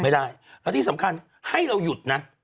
ไม่ได้แล้วที่สำคัญให้เราหยุดนะ